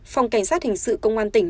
phòng cảnh sát hình sự công an tỉnh